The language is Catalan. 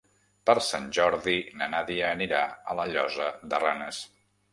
Per Sant Jordi na Nàdia anirà a la Llosa de Ranes.